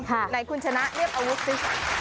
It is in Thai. ไหนคุณชนะเรียกอาวุธสิ